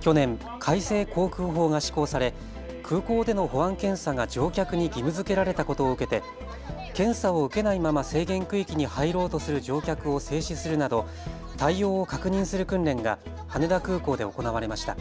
去年、改正航空法が施行され空港での保安検査が乗客に義務づけられたことを受けて検査を受けないまま制限区域に入ろうとする乗客を制止するなど対応を確認する訓練が羽田空港で行われました。